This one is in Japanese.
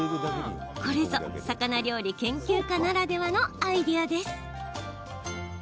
これぞ、魚料理研究家ならではのアイデアです。